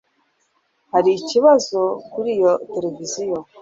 Hari ikibazo kuri iyo tereviziyo?